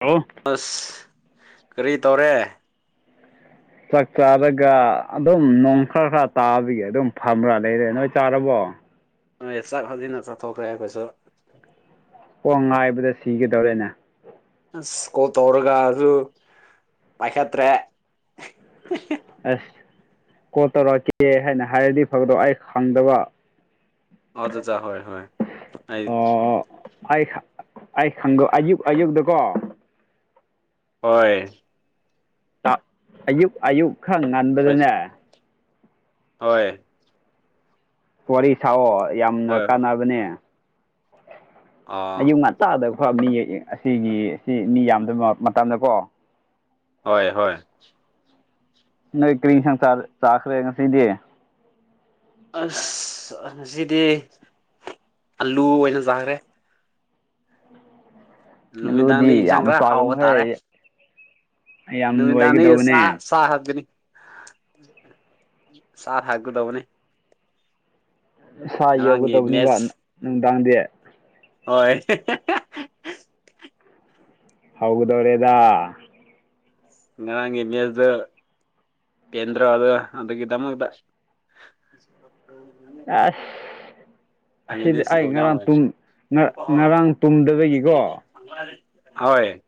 hello ꯑꯁ ꯀꯔꯤ ꯇꯧꯔꯦ ꯆꯥꯛ ꯆꯥꯔꯒ ꯑꯗꯨꯝ ꯅꯣꯡ ꯈꯔ ꯈꯔ ꯇꯥꯕꯒꯤ ꯑꯗꯨꯝ ꯐꯝꯕ꯭ꯔꯥ ꯂꯩꯔꯦ ꯅꯣꯏ ꯆꯥꯔꯕꯣ ꯍꯣꯏ ꯆꯥꯛ ꯍꯧꯖꯤꯟꯅ ꯆꯥꯊꯣꯛꯈ꯭ꯔꯦ ꯑꯈꯣꯏꯁꯨ ꯀꯣꯜ ꯉꯥꯏꯕꯗ ꯁꯤꯒꯦꯗꯧꯔꯦꯅꯦ ꯑꯁ ꯀꯣꯜ ꯇꯧꯔꯒꯁꯨ ꯄꯥꯏꯈꯠꯇ꯭ꯔꯦ ꯑꯁ ꯀꯣꯜ ꯇꯧꯔꯛꯀꯦ ꯍꯥꯏꯅ ꯍꯥꯏꯔꯗꯤ ꯐꯒꯗꯧꯕ ꯑꯩ ꯈꯪꯗꯕ ꯑꯣ ꯑꯗꯨ ꯍꯣꯏ ꯍꯣꯏ ꯑꯩ ꯑꯣ ꯑꯩ ꯈꯪ ꯑꯩ ꯈꯪꯒ ꯑꯌꯨꯛ ꯑꯌꯨꯛꯗꯀꯣ ꯍꯣꯏ ꯑꯥ ꯑꯌꯨꯛ ꯑꯌꯨꯛ ꯈꯔ ꯍꯣꯏ ꯉꯟꯕꯗꯅꯦ ꯍꯣꯏ ꯋꯥꯔꯤ ꯁꯥꯑꯣ ꯌꯥꯝꯅ ꯍꯣꯏ ꯀꯥꯟꯅꯕꯅꯦ ꯑꯥ ꯑꯌꯨꯛ ꯉꯟꯇꯥꯗ ꯈꯔ ꯃꯤ ꯌꯦꯡ ꯌꯦꯡ ꯑꯁꯤꯒꯤ ꯁꯤ ꯃꯤ ꯌꯥꯝꯗꯕ ꯃꯇꯝꯗꯀꯣ ꯍꯣꯏ ꯍꯣꯏ ꯅꯣꯏ ꯀ꯭ꯔꯤ ꯏꯟꯁꯥꯡ ꯆꯥ-ꯆꯥꯈ꯭ꯔꯦ ꯉꯁꯤꯗꯤ ꯑꯁ ꯉꯁꯤꯗꯤ ꯑꯂꯨ ꯑꯣꯏꯅ ꯆꯥꯈ꯭ꯔꯦ ꯑꯂꯨꯗꯤ ꯅꯨꯃꯤꯗꯥꯡꯗꯤ ꯏꯟꯁꯥꯡ ꯌꯥꯝ ꯈꯔ ꯍꯥꯎꯕ ꯆꯥꯒꯅꯨꯍꯦ ꯇꯥꯔꯦ ꯌꯥꯝ ꯅꯨꯃꯤꯗꯥꯡꯗꯤ ꯁꯥ ꯂꯣꯏꯒꯗꯧꯕꯅꯦ ꯁꯥ ꯍꯠꯀꯅꯤ ꯁꯥꯥ ꯍꯠꯀꯥꯗꯧꯕꯅꯦ ꯁꯥ ꯉꯔꯥꯡꯒꯤ ꯌꯧꯒꯗꯧꯕꯅꯤꯕ ꯃꯦꯠꯁ ꯅꯨꯡꯗꯥꯡꯗꯤ ꯍꯣꯏ [unintelligible] ꯍꯧꯒꯗꯧꯔꯦꯗ ꯉꯔꯥꯡꯒꯤ ꯃꯦꯁꯗꯣ ꯄꯦꯟꯗ꯭ꯔꯣꯗ ꯑꯗꯨꯒꯤꯗꯃꯛꯇ [unintelligible] ꯑꯁ [unintelligible] ꯑꯅꯤꯗꯤ ꯑꯁꯤꯗꯤ ꯑꯩ ꯁꯤꯒꯣꯝ ꯉꯔꯥꯡ ꯌꯥꯎꯋꯦ ꯇꯨꯝ ꯉ-ꯉꯔꯥꯡ ꯇꯨꯝꯗꯕꯒꯤꯀꯣ ꯍꯣꯏ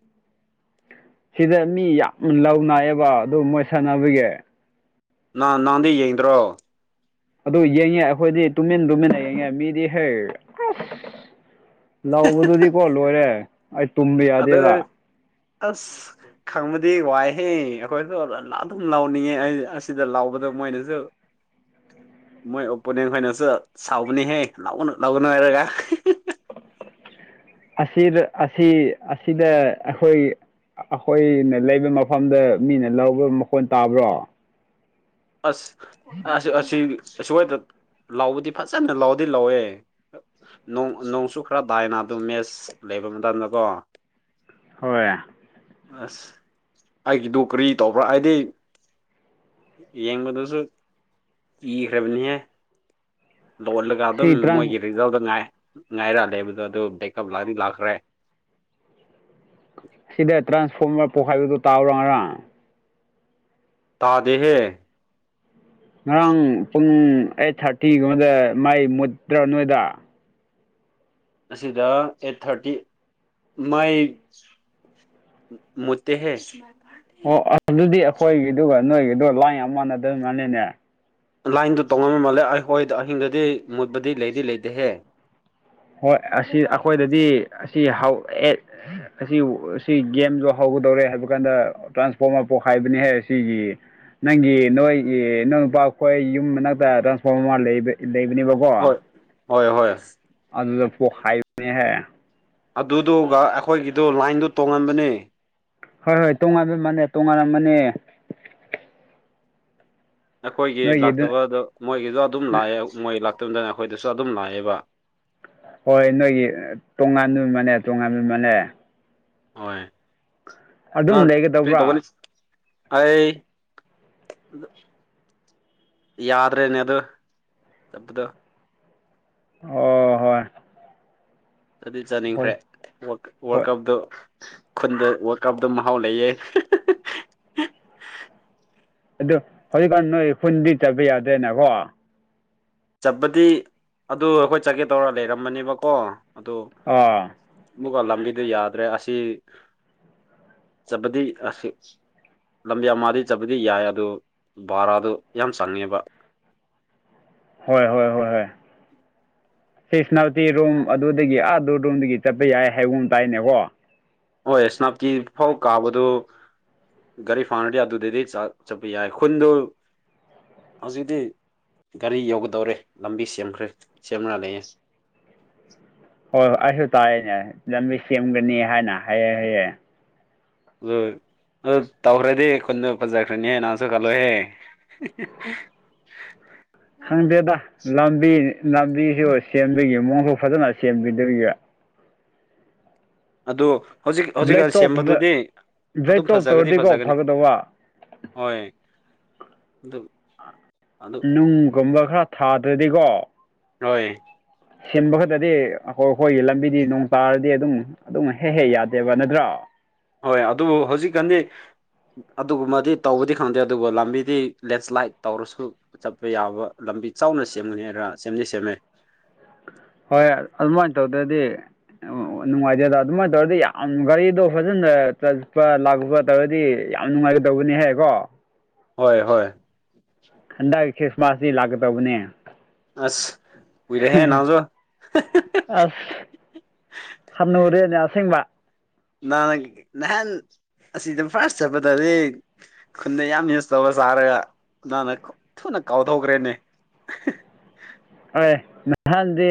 ꯁꯤꯗ ꯃꯤ ꯌꯥꯝ ꯂꯧꯅꯥꯏꯌꯦꯕ ꯑꯗꯨ ꯃꯣꯏ ꯁꯥꯟꯅꯕꯒꯤ ꯅ-ꯅ ꯅꯟꯗꯤ ꯌꯦꯡꯗ꯭ꯔꯣ ꯑꯗꯨ ꯌꯦꯡꯉꯦ ꯑꯩꯈꯣꯏꯗꯤ ꯇꯨꯃꯤꯟ ꯇꯨꯃꯤꯟꯅ ꯌꯦꯡꯉꯦ ꯃꯤꯗꯤ ꯍꯩ ꯂꯥꯎꯕꯗꯨꯗꯤꯀꯣ ꯂꯣꯏꯔꯦ ꯑꯩ ꯇꯨꯝꯕ ꯑꯗꯨ ꯌꯥꯗꯦꯗ ꯑꯁ ꯈꯪꯕꯗꯤ ꯋꯥꯏꯍꯦ ꯑꯩꯈꯣꯏꯁꯨ ꯑꯗꯨꯝ ꯂꯥꯎꯅꯤꯡꯉꯦ ꯑꯁꯤꯗ ꯂꯥꯎꯕꯗ ꯃꯣꯏꯅꯁꯨ ꯃꯣꯏ ꯑꯣꯄꯣꯅꯦꯟ ꯈꯣꯏꯅꯁꯨ ꯁꯥꯎꯕꯅꯤꯍꯦ ꯂꯥꯎꯒꯅꯨ ꯂꯥꯎꯒꯅꯨ ꯍꯥꯏꯔꯒ ꯑꯁꯤ ꯑꯁꯤ ꯑꯁꯤꯗ ꯑꯩꯈꯣꯏ ꯑꯩꯈꯣꯏꯅ ꯂꯩꯕ ꯃꯐꯝꯗ ꯃꯤꯅ ꯂꯧꯕ ꯃꯈꯣꯟ ꯇꯥꯕ꯭ꯔꯣ ꯑꯁ ꯑ ꯑꯁꯤ ꯑꯗ ꯂꯥꯎꯕꯨꯗꯤ ꯐꯖꯅ ꯂꯥꯎꯗꯤ ꯂꯥꯎꯋꯦ ꯅꯣꯡꯁꯨ ꯈꯔ ꯇꯥꯏꯅꯥ ꯑꯗꯨ ꯃꯦꯁ ꯂꯩꯕ ꯃꯇꯝꯗꯀꯣ ꯍꯣꯏ ꯑꯁ ꯑꯩꯒꯤꯗꯨ ꯀꯔꯤ ꯇꯧꯕ꯭ꯔꯥ ꯍꯥꯏꯗꯤ ꯌꯦꯡꯕꯗꯨꯁꯨ ꯀꯤꯈ꯭ꯔꯕꯅꯤꯍꯦ ꯂꯣꯜꯂꯒ ꯑꯗꯨꯝ ꯁꯤ ꯇ꯭ꯔꯥꯟ ꯃꯣꯏꯒꯤ ꯔꯤꯡ ꯏꯗꯥꯎꯗ ꯉꯥꯏ ꯉꯥꯏꯔꯛꯂꯦꯕꯗꯣ ꯑꯗꯨ ꯕ꯭ꯔꯦꯛꯀꯞ ꯂꯥꯛꯗꯤ ꯂꯥꯛꯈ꯭ꯔꯦ ꯁꯤꯗ ꯇ꯭ꯔꯥꯟꯁꯐꯣꯔꯃꯔ ꯄꯣꯛꯈꯥꯏꯕꯗꯨ ꯇꯥꯕꯔ꯭ ꯉꯥꯔꯥꯡ ꯇꯥꯗꯦꯍꯦ ꯉꯔꯥꯡ ꯄꯨꯡ ꯑꯩꯠ ꯊꯥꯔꯇꯤꯒꯨꯝꯕꯗ ꯃꯥꯏ ꯃꯨꯠꯇ꯭ꯔ ꯅꯣꯏꯗ ꯑꯁꯤꯗ ꯑꯦꯠ ꯊꯥꯔꯇꯤ ꯃꯥꯏ ꯃꯨꯠꯇꯦ ꯍꯦ ꯑꯣ ꯑꯗꯨꯗꯤ ꯑꯩꯈꯣꯏꯒꯤꯗꯨꯒ ꯅꯣꯏꯒꯤꯗꯨ ꯒꯥ ꯂꯥꯟꯏ ꯌꯥꯝ ꯃꯥꯟꯅꯗ ꯃꯥꯂꯦꯅꯦ ꯂꯥꯏꯟꯗꯨ ꯇꯣꯡꯉꯝ ꯃꯥꯜꯂꯦ ꯑꯩ ꯍꯣꯏ ꯑꯍꯤꯡꯗꯗꯤ ꯃꯨꯠꯄꯗꯤ ꯂꯩꯗꯤ ꯂꯩꯇꯦꯍꯦ ꯍꯣꯏ ꯑꯁꯤ ꯑꯩꯈꯣꯏꯗꯗꯤ ꯑꯁꯤ ꯍꯧ ꯑꯁꯤ ꯁꯤ ꯒꯦꯝꯁꯨ ꯍꯧꯒꯗꯧꯔꯦ ꯍꯥꯏꯕ ꯀꯥꯟꯗ ꯇ꯭ꯔꯥꯟꯁꯐꯣꯔꯃꯔ ꯄꯣꯛꯈꯥꯏꯕꯅꯤꯍꯦ ꯑꯁꯤꯒꯤꯒꯤ ꯅꯪꯒꯤ ꯅꯣꯏꯒꯤ ꯏꯪ ꯅꯨꯨꯄꯥ ꯈꯣꯏ ꯌꯨꯝ ꯃꯅꯥꯛꯇ ꯇ꯭ꯔꯥꯟꯁꯐꯣꯔꯃꯔ ꯑꯃ ꯂꯩ ꯂꯩꯕꯅꯦꯕꯀꯣ ꯍꯣꯏ ꯍꯣꯏ ꯍꯣꯏ ꯑꯗꯨꯗ ꯄꯣꯈꯥꯏꯕꯅꯦ ꯍꯥꯏ ꯑꯗꯨꯗꯨꯒ ꯑꯩꯈꯣꯏꯒꯤꯗꯨ ꯂꯥꯏꯟꯗꯨ ꯇꯣꯡꯉꯟꯕꯅꯦ ꯍꯣꯏ ꯍꯣꯏ ꯇꯣꯉꯥꯟꯕ ꯃꯅꯦ ꯇꯣꯉꯥꯟꯕ ꯃꯅꯦ ꯑꯩꯈꯣꯏꯒꯤ ꯅꯣꯏꯒꯤꯗꯨ ꯂꯥꯛꯇꯕꯗ ꯃꯣꯏꯒꯤꯁꯨ ꯑꯗꯨꯝ ꯂꯥꯛꯑꯦ ꯃꯣꯏ ꯂꯥꯛꯇꯕꯗꯅ ꯑꯩꯈꯣꯏꯗꯁꯨ ꯑꯗꯨꯝ ꯂꯥꯛꯑꯦꯕ ꯍꯣꯏ ꯅꯣꯏꯒꯤ ꯇꯣꯉꯥꯟꯕ ꯃꯅꯦ ꯇꯣꯉꯥꯟꯕ ꯃꯅꯦ ꯍꯣꯏ ꯑꯗꯨꯝ ꯅ ꯇꯒ ꯂꯩꯒꯗꯧꯕ꯭ꯔꯥ ꯑꯩ ꯌꯥꯗ꯭ꯔꯦꯅꯦ ꯑꯗꯨ ꯆꯠꯄꯥꯗꯨ ꯑꯣ ꯍꯣꯏ ꯑꯗꯨꯗꯤ ꯍꯣꯏ ꯆꯥꯅꯤꯡꯈ꯭ꯔꯦ ꯋꯥꯔꯜ ꯍꯣꯏ ꯀꯞꯇꯣ ꯈꯨꯟꯗ ꯋꯥꯔ ꯀꯞꯗ ꯃꯍꯥꯎ ꯂꯩꯌꯦ ꯑꯗꯨ ꯍꯧꯖꯤꯛꯀꯥꯟ ꯅꯣꯏ ꯈꯨꯟꯗꯤ ꯆꯠꯄ ꯌꯥꯗ꯭ꯔꯦꯅꯀꯣ ꯆꯠꯄꯗꯤ ꯑꯗꯨ ꯑꯩꯈꯣꯏ ꯆꯠꯀꯦ ꯇꯧꯔ ꯂꯩꯔꯝꯕꯅꯦꯕꯀꯣ ꯑꯗꯨ ꯑꯥ ꯑꯃꯨꯛꯀ ꯂꯝꯕꯤꯗ ꯌꯥꯗ꯭ꯔꯦ ꯑꯁꯤ ꯆꯠꯄꯗꯤ ꯑꯁꯤ ꯂꯝꯕꯤ ꯑꯃꯗꯤ ꯆꯠꯄꯗꯤ ꯌꯥꯏ ꯑꯗꯨ ꯕꯥꯔꯥꯗꯨ ꯌꯥꯝ ꯆꯪꯉꯦꯕ ꯍꯣꯏ ꯍꯣꯏ ꯍꯣꯏ ꯍꯣꯏ ꯁꯤꯁꯅꯥꯇꯤ ꯔꯨꯝ ꯑꯗꯨꯗꯒꯤ ꯑꯥ ꯑꯗꯨ ꯔꯨꯝꯗꯒꯤ ꯆꯠꯄ ꯌꯥꯏ ꯍꯥꯏꯕꯨꯝ ꯑꯃ ꯇꯥꯏꯅꯦꯀꯣ ꯍꯣꯏ ꯏꯁꯅꯥꯞꯀꯤ ꯐꯧ ꯀꯥꯕꯗꯨ ꯒꯥꯔꯤ ꯐꯥꯅꯔꯗꯤ ꯑꯗꯨꯗꯗꯤ ꯆꯠꯄ ꯌꯥꯏ ꯈꯨꯟꯗꯨ ꯍꯧꯖꯤꯛꯇꯤ ꯒꯥꯔꯤ ꯌꯧꯒꯗꯧꯔꯦ ꯂꯝꯕꯤ ꯁꯦꯝꯈ꯭ꯔꯦ ꯁꯦꯝꯃꯅ ꯂꯩꯌꯦ ꯍꯣꯏ ꯍꯣꯏ ꯑꯩꯁꯨ ꯇꯥꯏꯌꯦꯅꯦ ꯂꯝꯕꯤ ꯁꯦꯝꯒꯅꯤ ꯍꯥꯏꯅ ꯍꯥꯏꯌꯦ ꯍꯥꯏꯌꯦ ꯑꯗꯨ ꯑꯗꯨ ꯇꯧꯈ꯭ꯔꯗꯤ ꯑꯩ ꯈꯨꯟꯗ ꯐꯖꯈ꯭ꯔꯅꯤꯍꯦ ꯅꯍꯥꯟꯁꯨ ꯈꯜꯂꯣꯍꯦ ꯈꯪꯗꯦꯗ ꯂꯝꯕꯤ ꯂꯝꯕꯤꯁꯨ ꯁꯦꯝꯗꯣꯏꯒꯤ ꯃꯑꯣꯡꯁꯨ ꯐꯖꯅ ꯁꯦꯝꯕꯤꯗꯣꯏꯔꯤꯕ ꯑꯗꯨ ꯍꯧꯖꯤꯛ ꯍꯧꯖꯤꯛꯀꯥꯟ ꯕ꯭ꯂꯦꯛ ꯇꯣꯞꯀꯨꯝꯕ ꯁꯦꯝꯕꯗꯨꯗꯤ ꯕ꯭ꯂꯦꯛ ꯑꯗꯨꯝ ꯇꯣꯞ ꯐꯖꯒꯗꯤ ꯇꯧꯔꯗꯤꯀꯣ ꯐꯖꯒꯅꯤ ꯐꯒꯗꯧꯕ ꯍꯣꯏ ꯑꯗ ꯅꯨꯡꯒꯨꯝꯕ ꯈꯔ ꯊꯥꯗ꯭ꯔꯗꯤꯀꯣ ꯅꯣꯏ ꯁꯤꯟꯕ ꯈꯛꯇꯗꯤ ꯑꯩꯈꯣꯏ ꯑꯩꯈꯣꯏꯒꯤ ꯂꯝꯕꯤꯗꯤ ꯅꯣꯡ ꯇꯥꯔꯗꯤ ꯑꯗꯨꯝ ꯑꯗꯨꯝ ꯍꯦꯛ ꯍꯦꯛ ꯌꯥꯗꯦꯕ ꯅꯠꯇ꯭ꯔꯣ ꯍꯣꯏ ꯑꯗꯨꯕꯨ ꯍꯧꯖꯤꯛꯀꯥꯟꯗꯤ ꯑꯗꯨꯒꯨꯝꯕꯗꯤ ꯇꯧꯕꯗꯤ ꯈꯪꯗꯦ ꯑꯗꯨꯕꯨ ꯂꯝꯕꯤꯗꯤ ꯂꯦꯟꯁ꯭ꯂꯥꯏꯠ ꯇꯧꯔꯁꯨ ꯆꯠꯄ ꯌꯥꯕ ꯂꯝꯕꯤ ꯆꯥꯎꯅ ꯁꯦꯝꯒꯅꯤꯔ ꯁꯦꯝꯗꯤ ꯁꯦꯝꯃꯦ ꯍꯣꯏ ꯑꯗꯨꯃꯥꯏꯅ ꯇꯧꯗ꯭ꯔꯗꯤ ꯑꯣ ꯅꯨꯡꯉꯥꯏꯖꯦꯗ ꯑꯗꯨꯃꯥꯏꯅ ꯇꯧꯔꯗꯤ ꯌꯥꯝ ꯒꯥꯔꯤꯗꯣ ꯐꯖꯅ ꯆꯠꯄ ꯂꯥꯛꯄ ꯇꯧꯔꯗꯤ ꯌꯥꯝ ꯅꯨꯡꯉꯥꯏꯒꯗꯧꯕꯅꯤ ꯍꯥꯏꯀꯣ ꯍꯣꯏ ꯍꯣꯏ ꯍꯟꯗꯛꯀꯤ ꯈ꯭ꯔꯤꯁꯃꯥꯁꯇ ꯂꯥꯛꯀꯗꯧꯕꯅꯦ ꯑꯁ ꯀꯨꯏꯔꯦꯍꯦ ꯅꯪꯁꯨ ꯑꯁ ꯍꯝꯅꯨꯔꯦꯅꯦ ꯑꯁꯦꯡꯕ ꯅꯍꯥꯟ ꯅꯍꯥꯟ ꯑꯁꯤꯗ ꯐꯥꯔꯁ ꯆꯠꯄꯗꯗꯤ ꯈꯨꯟꯗ ꯌꯥꯝ ꯌꯨꯁ ꯇꯧꯔ ꯆꯥꯔꯒꯅ ꯊꯨꯅ ꯀꯥꯎꯊꯣꯛꯈ꯭ꯔꯦꯅꯦ ꯑꯦ ꯅꯍꯥꯟꯗꯤ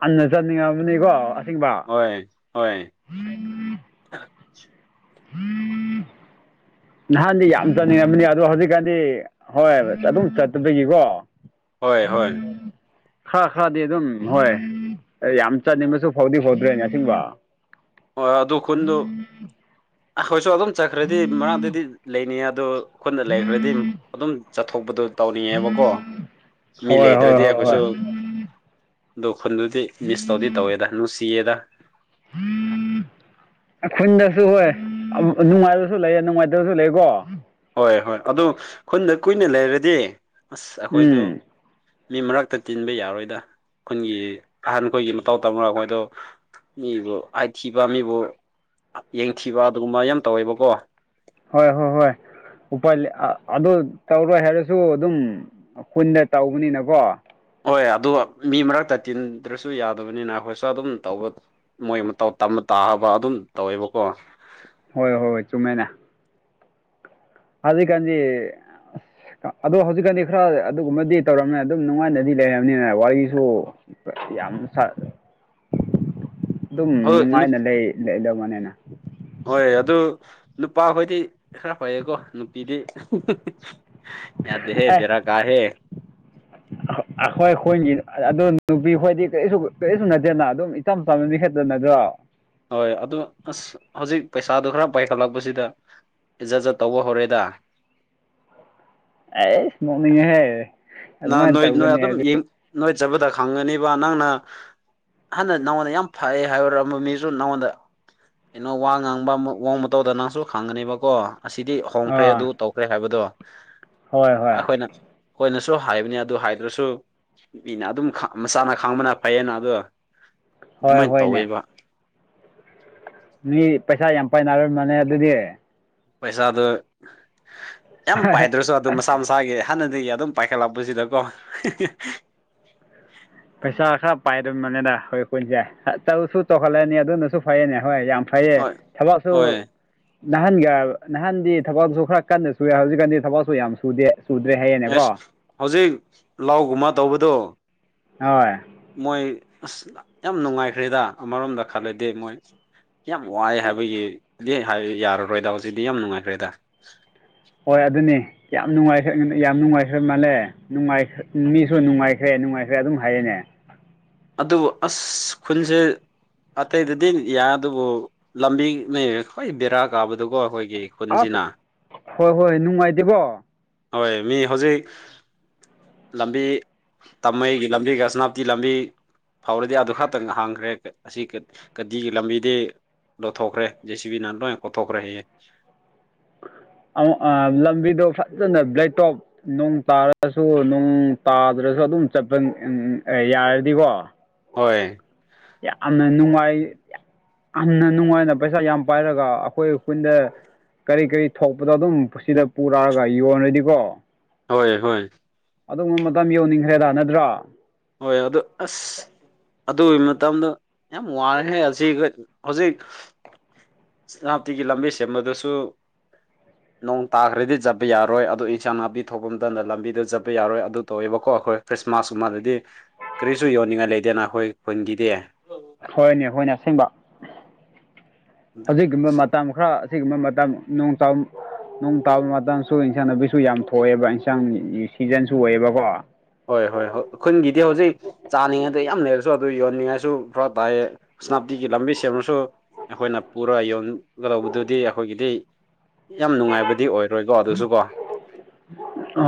ꯍꯟꯅ ꯆꯠꯅꯤꯡꯉꯕꯅꯤꯀꯣ ꯑꯁꯦꯡꯕ ꯍꯣꯏ ꯍꯣꯏ ꯎꯝ [inaudible] ꯅꯍꯥꯟꯗꯤ ꯌꯥꯝ ꯆꯥꯅꯤꯡꯉꯕꯅꯤ ꯑꯗꯣ ꯍꯧꯖꯤꯛꯀꯥꯟꯗꯤ ꯍꯣꯏ ꯑꯗꯨꯝ ꯆꯠꯇꯄꯗꯒꯤꯀꯣ ꯍꯣꯏ ꯍꯣꯏ ꯈꯔ ꯈꯔꯗꯤ ꯑꯗꯨꯝ ꯍꯣꯏ ꯌꯥꯝ ꯆꯠꯅꯤꯡꯕꯁꯨ ꯐꯥꯎꯗꯤ ꯐꯥꯎꯗ꯭ꯔꯦ ꯉꯁꯤꯡꯕ ꯍꯣꯏ ꯍꯣꯢ ꯑꯗꯨ ꯈꯨꯟꯗꯨ ꯑꯩꯈꯣꯏꯁꯨ ꯑꯗꯨꯝ ꯆꯠꯈ꯭ꯔꯗꯤ ꯃꯔꯥꯡꯗꯗꯤ ꯂꯩꯅꯤ ꯑꯗꯣ ꯑꯩꯈꯣꯏꯗ ꯂꯩꯈ꯭ꯔꯗꯤ ꯑꯗꯨꯝ ꯆꯠꯊꯣꯛꯄꯗꯣ ꯇꯧꯅꯤꯡꯉꯦꯕꯀꯣ ꯃꯤ ꯍꯣꯏ ꯍꯣꯏ ꯂꯩꯗ꯭ꯔꯗꯤ ꯍꯣꯏ ꯑꯩꯈꯣꯏꯁꯨ ꯍꯣꯏ ꯗꯣ ꯈꯨꯟꯗꯨꯗꯤ ꯃꯤꯁ ꯇꯧꯗꯤ ꯇꯧꯋꯦꯗ ꯅꯨꯡꯁꯤꯌꯦꯗ ꯍ [inaudible] ꯈꯨꯈꯟꯗꯁꯨ ꯍꯣꯏ ꯅꯨꯡꯉꯥꯏꯕꯁꯨ ꯂꯩ ꯅꯨꯡꯉꯥꯏꯇꯕꯁꯨ ꯂꯩꯀꯣ ꯍꯣꯏ ꯍꯣꯏ ꯑꯗꯨ ꯈꯨꯟꯗ ꯀꯨꯏꯅ ꯂꯩꯔꯗꯤ ꯑꯁ ꯑꯩꯈꯣꯏꯗꯣ ꯎꯝ ꯃꯤ ꯃꯔꯛꯇ ꯇꯤꯟꯕ ꯌꯥꯔꯣꯏꯗ ꯈꯨꯟꯒꯤ ꯑꯍꯟꯈꯣꯏꯒꯤ ꯃꯇꯧ ꯇꯝꯃꯒ ꯑꯩꯈꯣꯏꯗꯣ ꯃꯤꯕꯨ ꯑꯥꯏꯊꯤꯕ ꯃꯤꯕꯨ ꯌꯦꯡꯊꯤꯕ ꯑꯗꯨꯒꯨꯝꯕ ꯌꯥꯝ ꯇꯧꯋꯦꯕꯀꯣ ꯍꯣꯏ ꯍꯣꯏ ꯍꯣꯏ ꯎꯄꯥꯏ ꯃꯩ ꯑ ꯑꯗꯨ ꯇꯧꯔꯣꯏ ꯍꯥꯏꯔꯁꯨ ꯑꯗꯨꯝ ꯀꯨꯟꯗ ꯇꯧꯕꯅꯤꯅꯀꯣ ꯍꯣꯏ ꯑꯗꯨꯗꯣ ꯃꯤ ꯃꯔꯛꯇ ꯇꯤꯟꯗ꯭ꯔꯁꯨ ꯌꯥꯗꯕꯅꯤꯅ ꯑꯩꯈꯣꯏꯁꯨ ꯑꯗꯨꯝ ꯇꯧꯕ ꯃꯣꯏ ꯃꯇꯧ ꯇꯝꯕ ꯇꯥꯕ ꯑꯗꯨꯝ ꯇꯧꯋꯦꯕꯀꯣ ꯍꯣꯏ ꯍꯣꯏ ꯍꯣꯏ ꯆꯨꯝꯃꯦꯅ ꯑꯖꯤ ꯀꯖꯤ ꯑꯗꯣ ꯍꯧꯖꯤꯛꯀꯥꯟꯗꯤ ꯈꯔ ꯑꯗꯨꯒꯨꯝꯕꯗꯤ ꯇꯧꯔꯝꯅꯤ ꯑꯗꯨꯝ ꯅꯨꯡꯉꯥꯏꯅꯗꯤ ꯂꯩꯝꯅꯤꯅ ꯋꯥꯔꯤꯁꯨ ꯌꯥꯝ ꯁꯥ [inaudible] ꯑꯗꯨꯝ ꯅꯨ ꯅꯨꯡꯉꯥꯏꯅ ꯂꯩꯗꯕꯅꯤꯅ ꯍꯣꯏ ꯑꯗꯨ ꯅꯨꯄꯥꯈꯣꯏꯗꯤ ꯈꯔ ꯐꯩꯌꯦꯀꯣ ꯅꯨꯄꯤꯗꯤ ꯌꯥꯗꯦ ꯍꯦ ꯑꯦ ꯕꯦꯔꯥ ꯀꯥ ꯍꯦ ꯑꯩꯈꯣꯏ ꯍꯣꯏꯅꯤ ꯑꯗꯨ ꯅꯨꯄꯤ ꯈꯣꯏꯗꯤ ꯀꯔꯤꯁꯨ ꯀꯔꯤꯁꯨ ꯅꯠꯇꯦꯅ ꯑꯗꯨꯝ ꯏꯆꯝ ꯆꯝꯅꯅꯤ ꯍꯦꯠꯇꯅ꯭ꯔꯣ ꯍꯣꯏ ꯑꯗꯨ ꯑꯁ ꯍꯧꯖꯤꯛ ꯄꯩꯁꯥꯗꯨꯣ ꯈꯔ ꯄꯥꯏꯈꯠꯂꯛꯄꯁꯤꯗ ꯏꯖꯠ ꯖꯠ ꯇꯧꯕ ꯍꯧꯔꯦꯗ ꯑꯩ ꯅꯣꯛꯅꯤꯡꯉꯦꯍꯦ ꯅ ꯑꯗꯨꯃꯥꯏꯅ ꯅꯣꯏ ꯅꯣꯏ ꯇꯧꯒꯅꯤ ꯑꯗꯨꯝ ꯍꯥꯏꯕꯗꯤ ꯅꯣꯏ ꯆꯕꯗ ꯈꯪꯉꯅꯤꯕ ꯅꯪꯅ ꯍꯥꯟꯗ ꯅꯉꯣꯟꯗ ꯌꯥꯝ ꯐꯩꯌꯦ ꯍꯥꯏꯔꯨꯔꯝꯕ ꯃꯤꯁꯨ ꯅꯪꯉꯣꯟꯗ ꯀꯩꯅꯣ ꯋꯥ ꯉꯥꯡꯕ ꯋꯥꯡꯕ ꯃꯇꯧꯗ ꯅꯪꯁꯨ ꯈꯥꯡꯒꯅꯦꯕꯀꯣ ꯑꯁꯤꯗꯤ ꯍꯣꯡꯈ꯭ꯔꯦ ꯑꯗꯨ ꯑꯥ ꯇꯧꯈ꯭ꯔꯦ ꯍꯥꯏꯕꯗꯣ ꯍꯣꯏ ꯍꯣꯏ ꯑꯩꯈꯣꯏꯅ ꯁꯨ ꯍꯥꯏꯕꯅꯤ ꯑꯗꯨ ꯍꯥꯏꯗ꯭ꯔꯁꯨ ꯃꯤꯅ ꯑꯗꯨꯝ ꯃꯁꯥꯅ ꯈꯥꯡꯕꯅ ꯐꯩꯌꯦꯅ ꯑꯗꯣ ꯍꯣꯏ ꯑꯗꯨꯃꯥꯏꯅ ꯍꯣꯏꯅꯦ ꯇꯧꯋꯦꯕ ꯃꯤ ꯄꯩꯁꯥ ꯌꯥꯝ ꯄꯥꯏꯅꯔ ꯃꯥꯅꯦ ꯑꯗꯨꯗꯤ ꯄꯩꯁꯥꯗꯨ ꯌꯥꯝ ꯄꯥꯏꯗ꯭ꯔꯁꯨ ꯑꯗꯨ ꯃꯁꯥ ꯃꯁꯥꯒꯤ ꯍꯥꯟꯅꯗꯒꯤ ꯑꯗꯨꯝ ꯄꯥꯏꯈꯠꯂꯛꯄꯁꯤꯗꯀꯣ ꯄꯩꯁꯥ ꯈꯔ ꯄꯥꯏꯔꯝꯕꯅꯤꯗ ꯍꯣꯏ ꯀꯨꯟꯁꯦ ꯇꯧꯁꯨ ꯆꯥꯎꯧꯍꯜꯂꯅꯤ ꯑꯗꯨꯅꯁꯨ ꯐꯩꯌꯦꯅꯦ ꯍꯣꯏ ꯌꯥꯝ ꯐꯩꯌꯦ ꯍꯣꯏ ꯊꯕꯛꯁꯨ ꯍꯣꯏ ꯅꯍꯥꯟꯒ ꯅꯍꯥꯟꯗꯤ ꯊꯕꯛꯁꯨ ꯈꯔ ꯀꯟꯅ ꯁꯨꯏꯦ ꯍꯧꯖꯤꯛꯀꯥꯟꯗꯤ ꯊꯕꯛꯁꯨ ꯌꯥꯝ ꯁꯨꯗꯦ ꯆꯨꯗ꯭ꯔꯦ ꯍꯌꯦꯡꯅꯦꯀꯣ ꯑꯦꯁ ꯍꯧꯖꯤꯛ ꯂꯧꯒꯨꯝꯕ ꯇꯧꯕꯗꯣ ꯍꯣꯏ ꯃꯣꯏ ꯑꯁ ꯌꯥꯝ ꯅꯨꯡꯉꯥꯏꯈ꯭ꯔꯦꯗ ꯑꯃꯔꯣꯝꯗ ꯈꯜꯂꯗꯤꯦ ꯃꯣꯏ ꯌꯥꯝ ꯋꯥꯏꯌꯦ ꯍꯥꯏꯕꯒꯤ ꯌꯥꯔꯔꯣꯏꯗ ꯍꯧꯖꯤꯛꯇꯤ ꯌꯥꯝ ꯅꯨꯡꯉꯥꯏꯈ꯭ꯔꯦꯗ ꯍꯣꯏ ꯑꯗꯨꯅꯤ ꯌꯥꯝ ꯅꯨꯡꯉꯥꯏꯈ꯭ꯔꯦ ꯌꯥꯝ ꯅꯨꯡꯉꯥꯏꯈ꯭ꯔꯦ ꯃꯥꯜꯂꯦ ꯅꯨꯡꯥꯏ ꯃꯤꯁꯨ ꯅꯨꯡꯉꯥꯏꯈ꯭ꯔꯦ ꯅꯨꯡꯉꯥꯏꯈ꯭ꯔꯦ ꯑꯗꯨꯝ ꯍꯥꯏꯌꯦꯅꯦ ꯑꯗꯨꯕꯨ ꯑꯁ ꯈꯨꯟꯁꯦ ꯑꯇꯩꯗꯗꯤ ꯌꯥꯏ ꯑꯗꯨꯕꯨ ꯂꯝꯕꯤꯅꯦ ꯍꯣꯏ ꯕꯦꯔꯥ ꯀꯥꯕꯗꯨꯀꯣ ꯑꯩꯈꯣꯏꯒꯤ ꯑꯁ ꯈꯨꯟꯁꯤꯅ ꯍꯣꯏ ꯍꯣꯏ ꯅꯨꯡꯉꯥꯏꯇꯦꯕꯣ ꯍꯣꯏ ꯃꯤ ꯍꯧꯖꯤꯛ ꯂꯝꯕꯤ ꯇꯝꯃꯩꯒꯤ ꯂꯝꯕꯤꯒ ꯁꯅꯥꯞꯇꯤ ꯂꯝꯕꯤ ꯐꯥꯎꯔꯗꯤ ꯑꯗꯨ ꯈꯛꯇꯪ ꯍꯥꯡꯈ꯭ꯔꯦ ꯀꯠ ꯑꯁꯤ ꯀꯠ ꯗꯤꯒꯤ ꯂꯝꯕꯤꯗꯤ ꯂꯣꯊꯣꯛꯈ꯭ꯔꯦ ꯖꯦ ꯁꯤ ꯕꯤ ꯅꯥꯅ ꯂꯣꯏ ꯀꯣꯊꯣꯛꯈ꯭ꯔꯦ ꯍꯌꯦꯦ ꯂꯝꯕꯤꯗꯣ ꯐꯖꯅ ꯕ꯭ꯂꯦꯇꯣꯞ ꯅꯣꯡ ꯇꯥꯔꯁꯨ ꯅꯣꯡ ꯇꯥꯗ꯭ꯔꯁꯨ ꯑꯗꯨꯝ ꯆꯠꯄ ꯑꯦ ꯑ ꯌꯥꯔꯗꯤꯀꯣ ꯍꯣꯏ ꯌꯥꯝꯅ ꯅꯨꯡꯉꯥꯏ ꯌꯥꯝꯅ ꯅꯨꯡꯉꯥꯏꯅ ꯄꯩꯁꯥ ꯌꯥꯝ ꯄꯥꯏꯔꯒ ꯑꯩꯈꯣꯏ ꯈꯨꯟꯗ ꯀꯔꯤ ꯀꯔꯤ ꯊꯣꯛꯄꯗꯣ ꯑꯗꯨꯝ ꯁꯤꯗ ꯄꯨꯔꯛꯑꯒ ꯌꯣꯟꯔꯗꯤꯀꯣ ꯍꯣꯏ ꯍꯣꯏ ꯑꯗꯨꯒꯨꯝꯕ ꯃꯇꯝ ꯌꯧꯅꯤꯡꯈ꯭ꯔꯦ ꯅꯗ꯭ꯔꯣ ꯍꯣꯏ ꯑꯗꯣ ꯑꯁ ꯑꯗꯨꯒꯤ ꯃꯇꯝꯗ ꯌꯥꯝ ꯋꯥꯔꯦ ꯑꯁꯤꯏ ꯍꯧꯖꯤꯛ ꯅꯥꯞꯇꯤꯒꯤ ꯂꯝꯕꯤ ꯁꯦꯝꯕꯗꯁꯨ ꯅꯣꯡ ꯇꯥꯈ꯭ꯔꯗꯤ ꯆꯠꯄ ꯌꯥꯔꯣꯏ ꯑꯗꯨꯗꯣ ꯏꯟꯁꯥꯡ ꯅꯥꯄꯤ ꯊꯣꯛꯄ ꯃꯇꯝꯗ ꯂꯝꯕꯤꯗ ꯆꯠꯄ ꯌꯥꯔꯣꯏ ꯑꯗꯨ ꯇꯧꯋꯦꯕꯀꯣ ꯑꯩꯈꯣꯏ ꯈ꯭ꯔꯤꯁꯃꯥꯁꯀꯨꯝꯕꯗꯗꯤ ꯀꯔꯤꯁꯨ ꯌꯣꯟꯅꯤꯡꯉꯥꯏ ꯂꯩꯗꯦꯅ ꯑꯩꯈꯣꯏ ꯈꯨꯟꯒꯤꯗꯤ ꯍꯣꯏꯅꯦ ꯍꯣꯏꯅꯦ ꯑꯁꯦꯡꯕ ꯍꯧꯖꯤꯛꯕ ꯃꯇꯝ ꯈꯔ ꯑꯁꯤꯒꯨꯝꯕ ꯃꯇꯝ ꯅꯣꯡ ꯇꯥꯎ ꯅꯣꯡ ꯇꯥꯕ ꯃꯇꯝꯁꯨ ꯏꯟꯁꯥꯡ ꯅꯥꯄꯤꯁꯨ ꯌꯥꯝ ꯊꯣꯛꯑꯦꯕ ꯏꯟꯁꯥꯡ ꯁꯤꯖꯟꯁꯨ ꯑꯣꯏꯌꯦꯕꯀꯣ ꯍꯣꯏ ꯍꯣꯏ ꯍꯣꯏ ꯈꯨꯟꯒꯤꯗꯤ ꯍꯧꯖꯤꯛ ꯆꯥꯅꯤꯡꯉꯩꯗ ꯌꯥꯝ ꯂꯩꯔꯁꯨ ꯑꯗꯨ ꯌꯣꯟꯅꯤꯡꯉꯥꯏꯁꯨ ꯐꯔꯥ ꯇꯥꯏꯌꯦ ꯁꯦꯅꯥꯞꯇꯤꯒꯤ ꯂꯝꯕꯤ ꯁꯦꯝꯅꯁꯨ ꯑꯩꯈꯣꯏꯅ ꯄꯨꯔ ꯌꯣꯟ ꯂꯧꯕꯗꯨꯗꯤ ꯑꯩꯈꯣꯏꯒꯤꯗꯤ ꯌꯥꯝ ꯅꯨꯡꯉꯥꯏꯕꯗꯤ ꯑꯣꯏꯔꯣꯏꯀꯣ ꯑꯗꯨꯁꯨ ꯀꯣ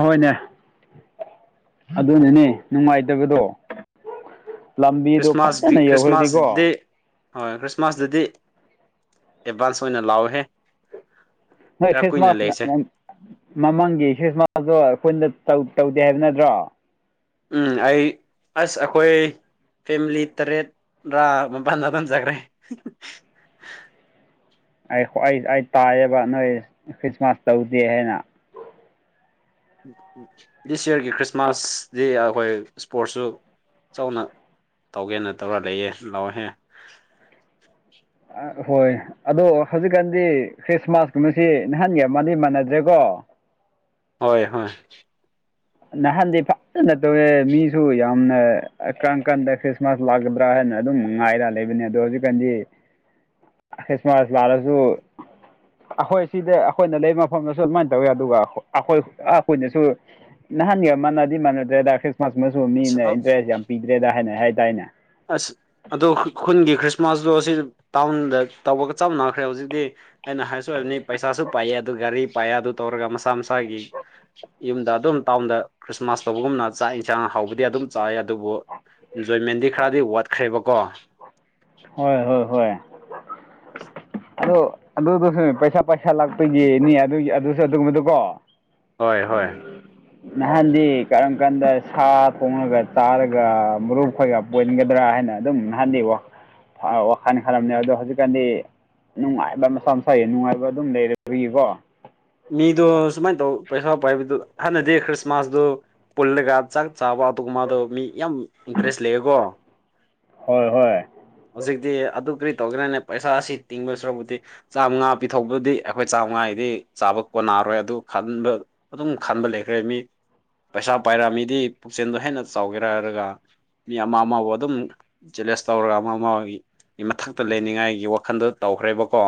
ꯍꯣꯏꯅꯦ ꯑꯗꯨꯅꯅꯦ ꯅꯨꯡꯉꯥꯏꯇꯕꯗꯣ ꯂꯝꯕꯤꯗꯣ ꯈ꯭ꯔꯤꯁꯃꯥꯁꯗꯤ ꯐꯖꯅ ꯌꯧꯈ꯭ꯔꯗꯤꯀꯣ ꯈ꯭ꯔꯤꯁꯃꯥꯁꯗꯤ ꯍꯣꯏ ꯈ꯭ꯔꯤꯁꯃꯥꯁꯇꯗꯤ ꯑꯦꯗꯚꯥꯟꯁ ꯑꯣꯏꯅ ꯂꯥꯛꯍꯦ ꯅ ꯈ꯭ꯔꯤꯁꯃꯥꯁ ꯃꯃꯥꯡꯒꯤ ꯈ꯭ꯔꯤꯁꯃꯥꯁꯇꯣ ꯑꯩꯈꯣꯏꯗ ꯇꯧꯗꯦ ꯍꯥꯏꯕ ꯅꯠꯇ꯭ꯔꯣ ꯎꯝ ꯑꯩ ꯑꯁ ꯑꯩꯈꯣꯏ ꯐꯦꯃꯤꯂꯤ ꯇꯔꯦꯠ ꯔꯥ ꯄꯥꯟꯖ ꯇꯥꯟꯖꯈ꯭ꯔꯦ ꯑꯩ ꯑꯩ ꯑꯩ ꯇꯥꯏꯌꯦꯕ ꯅꯣꯏ ꯈ꯭ꯔꯤꯁꯃꯥꯁ ꯇꯧꯗꯦ ꯍꯥꯏꯅ ꯗꯤꯁ ꯌꯌꯥꯔꯒꯤ ꯈ꯭ꯔꯤꯁꯃꯥꯁꯗꯤ ꯑꯩꯈꯣꯏ ꯏꯁꯄꯣꯔꯠꯁꯨ ꯆꯥꯎꯅ ꯇꯧꯒꯦꯅ ꯇꯧꯔꯒ ꯂꯩꯌꯦ ꯂꯥꯛꯑꯣꯍꯦ ꯑ ꯍꯣꯏ ꯑꯗꯣ ꯍꯧꯖꯤꯛꯀꯥꯟꯗꯤ ꯈ꯭ꯔꯤꯁꯃꯥꯁꯀꯨꯝꯁꯤ ꯅꯍꯥꯟꯒꯤ ꯃ ꯃꯥꯟꯅꯗ꯭ꯔꯦꯀꯣ ꯍꯣꯏ ꯍꯣꯏ ꯅꯍꯥꯟꯗꯤ ꯐꯖꯅ ꯇꯧꯋꯦ ꯃꯤꯁꯨ ꯌꯥꯝꯅ ꯀꯪ ꯀꯥꯟꯗ ꯈ꯭ꯔꯤꯁꯃꯥꯁ ꯂꯥꯛꯀꯗ꯭ꯔꯥ ꯍꯥꯏꯅ ꯑꯗꯨꯝ ꯉꯥꯏꯔ ꯂꯩꯕꯅꯤ ꯑꯗꯣ ꯍꯧꯖꯤꯛꯀꯥꯟꯗꯤ [unintelligible] ꯈ꯭ꯔꯤꯁꯃꯥꯁ ꯂꯥꯛꯂꯁꯨ ꯑꯩꯈꯣꯏ ꯁꯤꯗ ꯑꯩꯈꯣꯏꯅ ꯂꯩꯕ ꯃꯐꯝꯗꯁꯨ ꯑꯗꯨꯃꯥꯏꯅ ꯇꯧꯋꯤ ꯑꯗꯨꯒ ꯑꯩꯈꯣꯏ ꯑꯩꯈꯣꯏꯅꯁꯨ ꯅꯍꯥꯟꯒ ꯃꯥꯟꯅꯗꯤ ꯃꯥꯟꯅꯗ꯭ꯔꯦꯗ ꯈ꯭ꯔꯤꯁꯃꯥꯁ ꯃꯁꯨ ꯃꯤꯅ ꯏꯟꯇꯔꯦꯁ ꯌꯥꯝ ꯄꯤꯗ꯭ꯔꯦꯗ ꯍꯥꯏꯅꯩ ꯍꯥꯏꯇꯥꯔꯦꯅꯦ ꯑꯁ ꯑꯗꯨꯗꯣ ꯈꯨꯟꯒꯤ ꯈ꯭ꯔꯤꯁꯃꯥꯁꯇꯣ ꯁꯤ ꯇꯥꯎꯟꯗ ꯇꯧꯕꯒ ꯆꯞꯥꯟꯅꯈ꯭ꯔꯦ ꯍꯧꯖꯤꯛꯇꯤ ꯑꯩꯅ ꯍꯥꯏꯁꯨ ꯑꯣꯏꯕꯅꯤ ꯄꯩꯁꯥꯁꯨ ꯄꯥꯏꯑ ꯑꯗꯨ ꯒꯥꯔꯤ ꯄꯥꯏꯑ ꯑꯗꯨ ꯇꯧꯔꯒ ꯃꯁꯥ ꯃꯁꯥꯒꯤ ꯌꯨꯝꯗ ꯑꯗꯨꯝ ꯇꯥꯎꯟꯗ ꯈ꯭ꯔꯤꯁꯃꯥꯁ ꯇꯧꯕꯒꯨꯝꯅ ꯆꯥꯛ ꯌꯦꯟꯁꯥꯡ ꯍꯥꯎꯕꯗꯤ ꯑꯗꯨꯝ ꯆꯥꯏ ꯑꯗꯨꯕꯨ ꯏꯟꯖꯣꯏꯃꯦꯟꯗꯤ ꯈꯔꯗꯤ ꯋꯥꯠꯈ꯭ꯔꯦꯕꯀꯣ ꯍꯣꯏ ꯍꯣꯏ ꯍꯣꯏ [inaudible] ꯑꯗꯨ ꯑꯗꯨꯗꯨꯁꯨ ꯄꯩꯁꯥ ꯄꯩꯁꯥ ꯂꯥꯛꯇꯒꯤꯅꯤ ꯑꯗꯨ ꯑꯗꯨꯁꯨ ꯑꯗꯨꯒꯨꯝꯕꯗꯨ ꯀꯣ ꯍꯣꯏ ꯍꯣꯏ ꯅꯍꯥꯟꯗꯤ ꯀꯔꯝ ꯀꯥꯟꯗ ꯁꯥ ꯄꯣꯡꯂꯒ ꯇꯥꯔꯒ ꯃꯔꯨꯞ ꯈꯣꯏꯒ ꯄꯣꯏꯒꯗ꯭ꯔꯥ ꯍꯥꯏꯅ ꯑꯗꯨꯝꯍꯜꯂꯤꯕꯣ ꯋꯥꯈꯥꯟꯅꯤ ꯈꯅꯦ ꯑꯗꯣ ꯍꯧꯖꯤꯛꯀꯥꯟꯗꯤ ꯅꯨꯡꯉꯥꯏꯕ ꯃꯁꯥ ꯃꯁꯥꯒꯤ ꯅꯨꯡꯉꯥꯏꯕ ꯑꯗꯨꯝ ꯂꯩꯔꯒꯤꯀꯣ ꯃꯤꯗꯣ ꯁꯨꯃꯥꯏꯅ ꯇꯧ ꯄꯩꯁꯥ ꯄꯥꯏꯕꯗꯨ ꯍꯥꯟꯅꯗꯤ ꯈ꯭ꯔꯤꯁꯃꯥꯁꯇꯣ ꯄꯨꯜꯂ ꯀ ꯆꯥꯛ ꯆꯥꯕ ꯑꯗꯨ ꯃꯥꯗꯨ ꯃꯤ ꯌꯥꯝ ꯏꯟꯇꯔꯦꯁ ꯂꯩꯌꯦꯒꯣ ꯍꯣꯏ ꯍꯣꯏ ꯍꯧꯖꯤꯛꯇꯤ ꯑꯗꯨ ꯀꯔꯤ ꯇꯧꯒꯦꯅꯥꯅꯦ ꯄꯩꯁꯥꯁꯤ ꯇꯤꯡꯕꯁꯨ꯭ꯔꯕꯨꯗꯤ ꯆꯥꯝꯃꯉꯥ ꯄꯤꯊꯣꯛꯄꯗꯤ ꯑꯩꯈꯣꯏ ꯆꯥꯝꯃꯉꯥꯗꯤ ꯆꯥꯕ ꯀꯣꯟꯅꯔꯣꯏ ꯑꯗꯨ ꯈꯟꯕ ꯑꯗꯨꯝ ꯈꯟꯥꯟꯕ ꯂꯩꯈ꯭ꯔꯦ ꯃꯤ ꯄꯩꯁꯥ ꯄꯥꯏꯔꯃꯤꯗꯤ ꯄꯨꯛꯆꯦꯜꯗꯣ ꯍꯦꯟꯅ ꯆꯥꯎꯒꯦꯔ ꯍꯥꯏꯔꯒ ꯃꯤ ꯑꯃ ꯑꯃꯕꯨ ꯑꯗꯨꯝ ꯆꯦꯂꯦꯟꯖ ꯇꯧꯔꯒ ꯑꯃ ꯑꯃꯒꯤ ꯃꯊꯛꯇ ꯂꯩꯅꯤꯡꯉꯥꯏꯒꯤ ꯋꯥꯈꯜꯗꯣ ꯇꯧꯈ꯭ꯔꯦꯕꯀꯣ